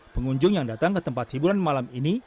pengunjung yang datang ke tempat hiburan malam ini